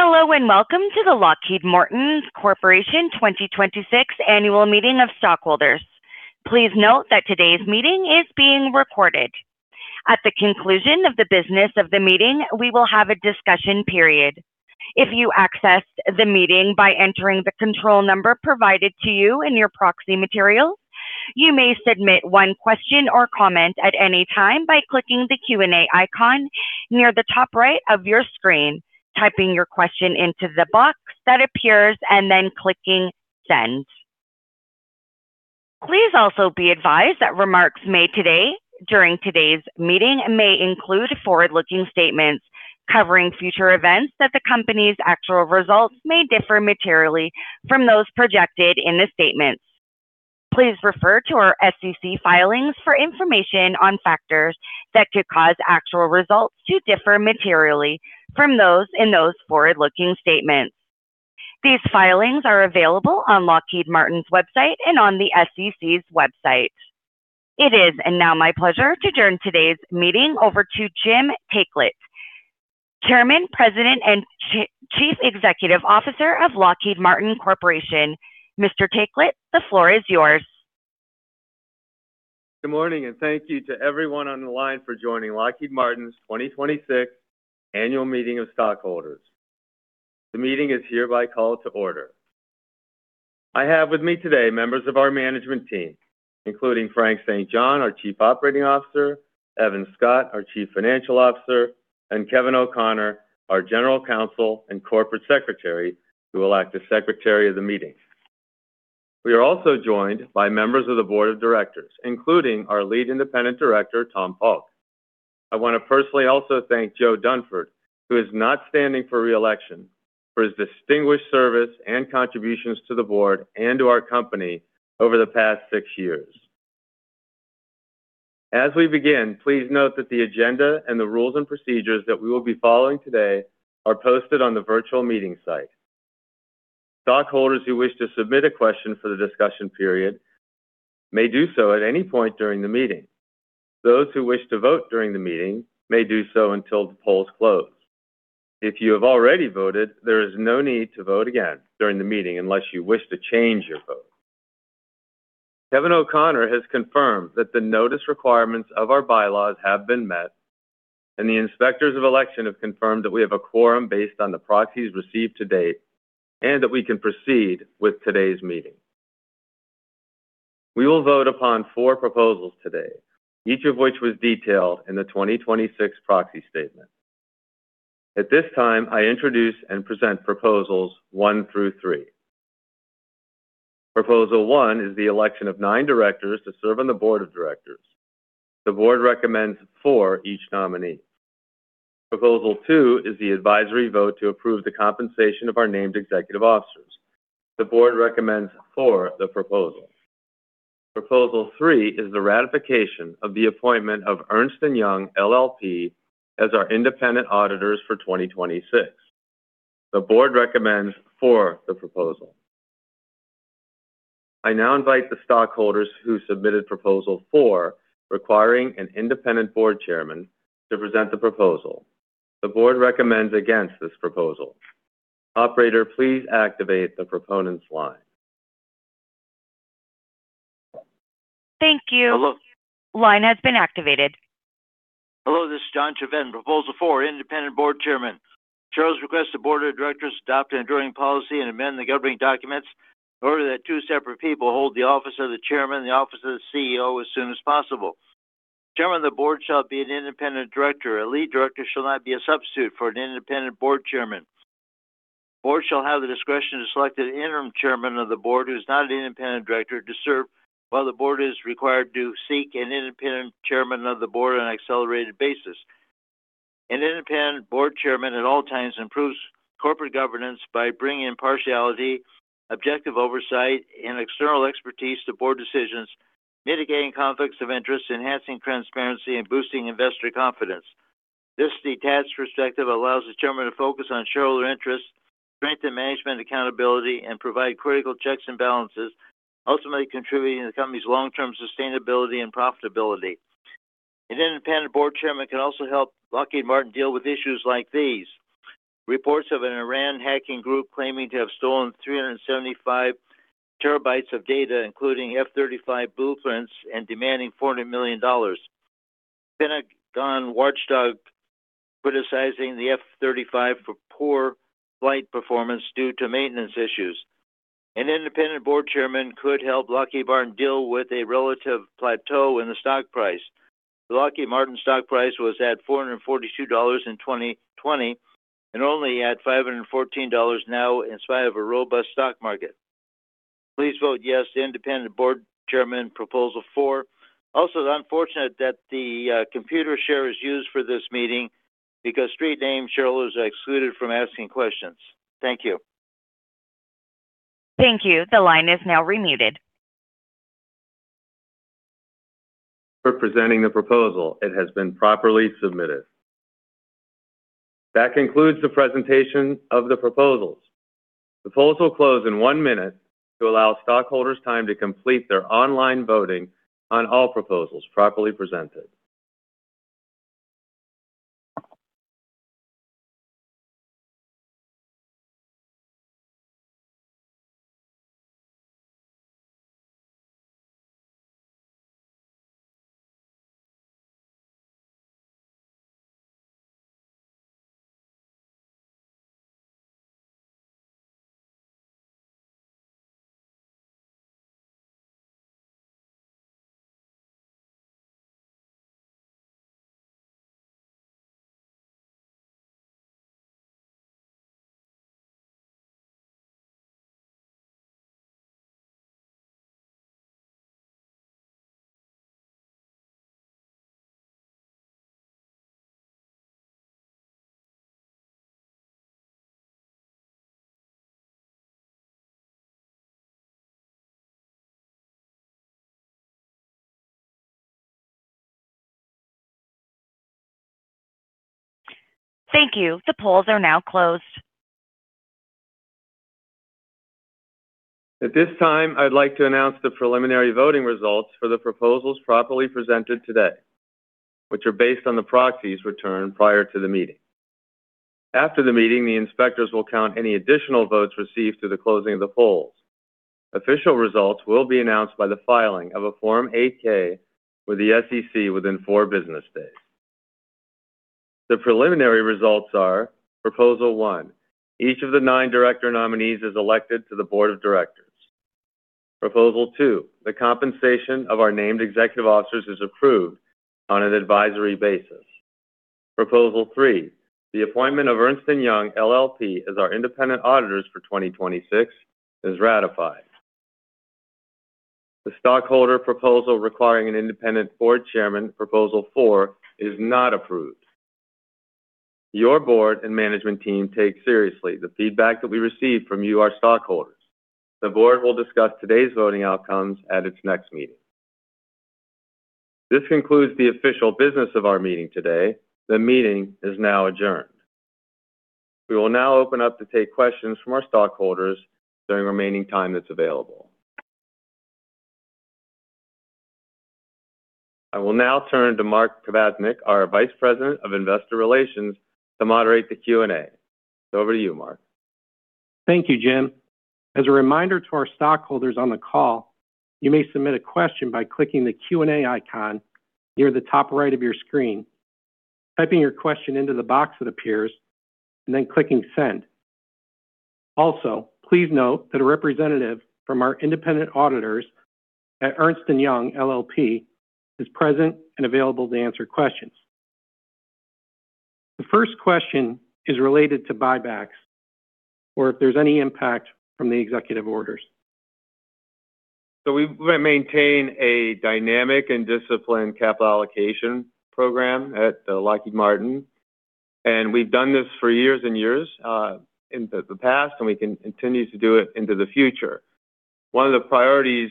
Hello and welcome to the Lockheed Martin Corporation 2026 Annual Meeting of Stockholders. Please note that today's meeting is being recorded. At the conclusion of the business of the meeting, we will have a discussion period. If you accessed the meeting by entering the control number provided to you in your proxy materials, you may submit one question or comment at any time by clicking the Q&A icon near the top right of your screen, typing your question into the box that appears, and then clicking Send. Please also be advised that remarks made today during today's meeting may include forward-looking statements covering future events that the company's actual results may differ materially from those projected in the statements. Please refer to our SEC filings for information on factors that could cause actual results to differ materially from those in those forward-looking statements. These filings are available on Lockheed Martin's website and on the SEC's website. It is now my pleasure to turn today's meeting over to Jim Taiclet, Chairman, President, and Chief Executive Officer of Lockheed Martin Corporation. Mr. Taiclet, the floor is yours. Good morning. Thank you to everyone on the line for joining Lockheed Martin's 2026 Annual Meeting of Stockholders. The meeting is hereby called to order. I have with me today members of our management team, including Frank St. John, our Chief Operating Officer, Evan Scott, our Chief Financial Officer, and Kevin O'Connor, our General Counsel and Corporate Secretary, who will act as Secretary of the meeting. We are also joined by members of the Board of Directors, including our Lead Independent Director, Thomas Falk. I want to personally also thank Joseph F. Dunford Jr, who is not standing for re-election, for his distinguished service and contributions to the Board and to our company over the past six years. As we begin, please note that the agenda and the rules and procedures that we will be following today are posted on the virtual meeting site. Stockholders who wish to submit a question for the discussion period may do so at any point during the meeting. Those who wish to vote during the meeting may do so until the polls close. If you have already voted, there is no need to vote again during the meeting unless you wish to change your vote. Kevin O'Connor has confirmed that the notice requirements of our bylaws have been met, and the inspectors of election have confirmed that we have a quorum based on the proxies received to date and that we can proceed with today's meeting. We will vote upon four proposals today, each of which was detailed in the 2026 proxy statement. At this time, I introduce and present proposals one through three. Proposal one is the election of nine directors to serve on the board of directors. The board recommends for each nominee. Proposal two is the advisory vote to approve the compensation of our named executive officers. The board recommends for the proposal. Proposal three is the ratification of the appointment of Ernst & Young LLP as our independent auditors for 2026. The board recommends for the proposal. I now invite the stockholders who submitted proposal four, requiring an independent board chairman, to present the proposal. The board recommends against this proposal. Operator, please activate the proponent's line. Thank you. Hello. Line has been activated. Hello, this is John Chevedden, Proposal four, independent board chairman. Charles requests the Board of Directors adopt an enduring policy and amend the governing documents in order that two separate people hold the office of the chairman and the office of the CEO as soon as possible. Chairman of the Board shall be an independent director. A lead director shall not be a substitute for an independent board chairman. Board shall have the discretion to select an interim chairman of the board who's not an independent director to serve while the board is required to seek an independent chairman of the board on an accelerated basis. An independent board chairman at all times improves corporate governance by bringing impartiality, objective oversight, and external expertise to board decisions, mitigating conflicts of interest, enhancing transparency, and boosting investor confidence. This detached perspective allows the chairman to focus on shareholder interests, strengthen management accountability, and provide critical checks and balances, ultimately contributing to the company's long-term sustainability and profitability. An independent board chairman can also help Lockheed Martin deal with issues like these. Reports of an Iran hacking group claiming to have stolen 375 terabytes of data, including F-35 blueprints and demanding $400 million. Pentagon watchdog criticizing the F-35 for poor flight performance due to maintenance issues. An independent board chairman could help Lockheed Martin deal with a relative plateau in the stock price. The Lockheed Martin stock price was at $442 in 2020 and only at $514 now in spite of a robust stock market. Please vote yes to independent board chairman Proposal four. It's unfortunate that Computershare is used for this meeting because street name shareholders are excluded from asking questions. Thank you. Thank you. The line is now remuted. For presenting the proposal. It has been properly submitted. That concludes the presentation of the proposals. The polls will close in one minute to allow stockholders time to complete their online voting on all proposals properly presented. Thank you. The polls are now closed. At this time, I'd like to announce the preliminary voting results for the proposals properly presented today, which are based on the proxies returned prior to the meeting. After the meeting, the inspectors will count any additional votes received through the closing of the polls. Official results will be announced by the filing of a Form 8-K with the SEC within four business days. The preliminary results are proposal one, each of the nine director nominees is elected to the board of directors. Proposal two, the compensation of our named executive officers is approved on an advisory basis. Proposal three, the appointment of Ernst & Young LLP as our independent auditors for 2026 is ratified. The stockholder proposal requiring an independent board chairman, proposal four, is not approved. Your board and management team take seriously the feedback that we receive from you, our stockholders. The board will discuss today's voting outcomes at its next meeting. This concludes the official business of our meeting today. The meeting is now adjourned. We will now open up to take questions from our stockholders during the remaining time that's available. I will now turn to Mark Kvasnak, our Vice President of Investor Relations, to moderate the Q&A. Over to you, Mark. Thank you, Jim. As a reminder to our stockholders on the call, you may submit a question by clicking the Q&A icon near the top right of your screen, typing your question into the box that appears, and then clicking send. Also, please note that a representative from our independent auditors at Ernst & Young LLP is present and available to answer questions. The first question is related to buybacks or if there's any impact from the executive orders. We maintain a dynamic and disciplined capital allocation program at Lockheed Martin, and we've done this for years and years, in the past, and we can continue to do it into the future. One of the priorities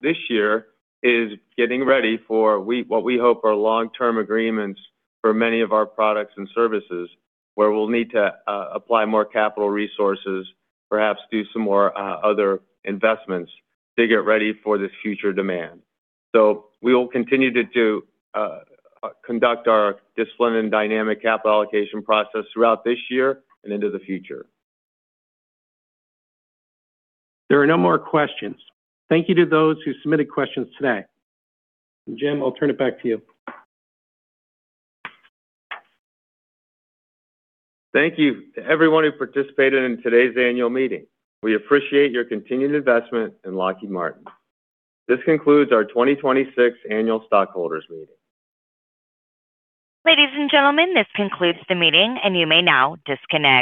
this year is getting ready for what we hope are long-term agreements for many of our products and services, where we'll need to apply more capital resources, perhaps do some more other investments to get ready for this future demand. We will continue to do conduct our disciplined and dynamic capital allocation process throughout this year and into the future. There are no more questions. Thank you to those who submitted questions today. Jim, I'll turn it back to you. Thank you to everyone who participated in today's annual meeting. We appreciate your continued investment in Lockheed Martin. This concludes our 2026 annual stockholders meeting. Ladies and gentlemen, this concludes the meeting, and you may now disconnect.